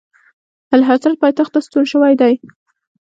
اعلیحضرت پایتخت ته ستون شوی دی.